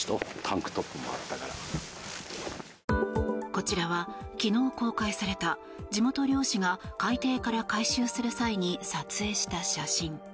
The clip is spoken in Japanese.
こちらは、昨日公開された地元漁師が海底から回収する際に撮影した写真。